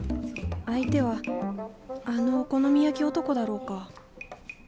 相手はあの「お好み焼き男」だろうか。